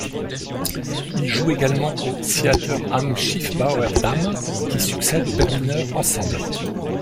Il joue également au Theater am Schiffbauerdamm qui succède au Berliner Ensemble.